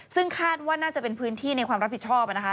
ซึ่งคาดว่าน่าจะเป็นพื้นที่ในความรับผิดชอบนะคะ